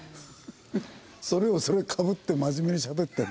それをかぶって真面目にしゃべってるんだ。